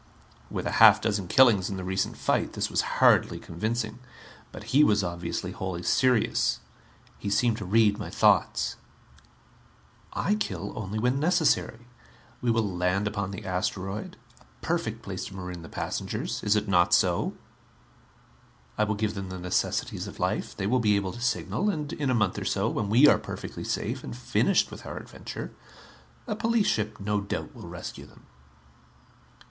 With a half dozen killings in the recent fight this was hardly convincing. But he was obviously wholly serious. He seemed to read my thoughts. "I kill only when necessary. We will land upon the asteroid. A perfect place to maroon the passengers. Is it not so? I will give them the necessities of life. They will be able to signal. And in a month or so, when we are perfectly safe and finished with our adventure, a police ship no doubt will rescue them."